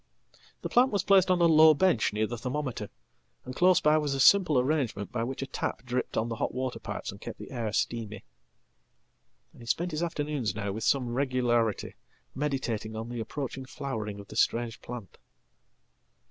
The plant was placedon a low bench near the thermometer, and close by was a simple arrangementby which a tap dripped on the hot water pipes and kept the air steamy. Andhe spent his afternoons now with some regularity meditating on theapproaching flowering of this strange plant.